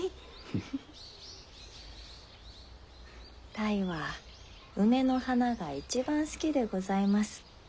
泰は梅の花が一番好きでございます。